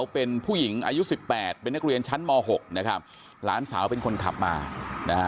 เป็นนักเรียนชั้นม๖นะครับร้านสาวเป็นคนขับมานะฮะ